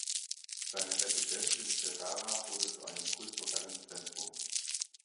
Seine Residenz in Ferrara wurde zu einem kulturellen Zentrum.